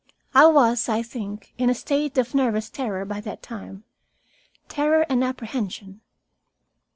I was, I think, in a state of nervous terror by that time, terror and apprehension.